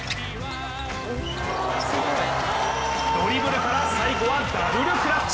ドリブルから最後はダブルクラッチ。